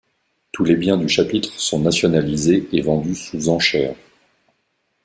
Tous les biens du Chapitre sont nationalisés et vendus sous enchères.